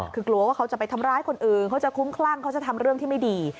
คือกลัวว่าเขาจะไปทำร้ายคนอื่นเขาจะคุ้มคลั่งเขาจะทำเรื่องที่ไม่ดี